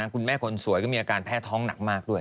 คุณแม่คนสวยก็มีอาการแพทย์ท้องหนักมากด้วย